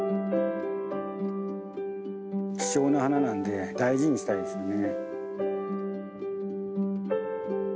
希少な花なんで大事にしたいですね。